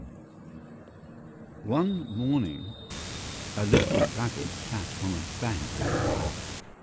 BUNNY ONE morning a little rabbit sat on a bank.